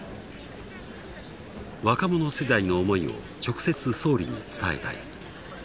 若者世代の思いを直接総理に伝えたい。